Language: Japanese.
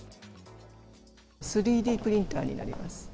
３Ｄプリンターになります。